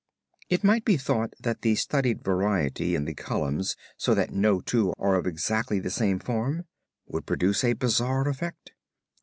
It might be thought that the studied variety in the columns so that no two are of exactly the same form, would produce a bizarre effect.